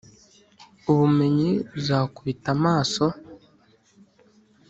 ubumenyi buzakubita amaso